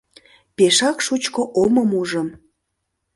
— Пешак шучко омым ужым...